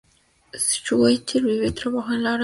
Schweitzer vive y trabaja en el área de Filadelfia.